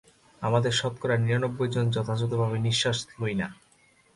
আমাদের শতকরা নিরানব্বই জন যথাযথভাবে নিঃশ্বাস লই না।